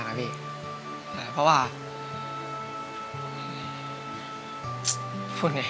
อันดับนี้เป็นแบบนี้